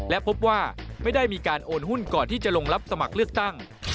และพบว่าไม่ได้มีการโอนหุ้นก่อนที่จะลงรับสมัครเลือกตั้ง